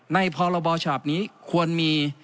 พรบฉบับนี้ควรมี